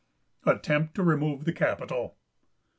ATTEMPT TO REMOVE THE CAPITAL.